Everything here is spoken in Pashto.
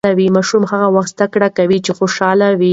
ماشوم هغه وخت زده کړه کوي چې خوشاله وي.